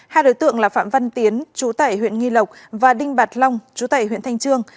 hai đối tượng là phạm văn tiến chú tải huyện nghi lộc và đinh bạc long chú tải huyện thanh trương